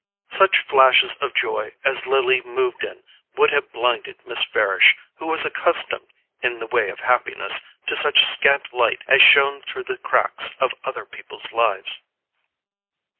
Such flashes of joy as Lily moved in would have blinded Miss Farish, who was accustomed, in the way of happiness, to such scant light as shone through the cracks of other people's lives.